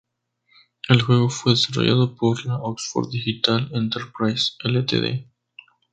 El juego fue desarrollado por la Oxford Digital Enterprises Ltd.